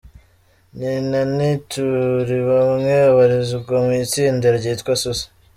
Nyina ni Turibamwe, abarizwa mu itsinda ryitwa Susa.